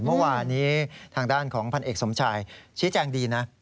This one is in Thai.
เมื่อวานี้ทางด้านของพันเอกสมชายชี้แจงดีนะ